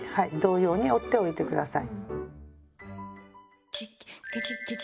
同様に折っておいてください。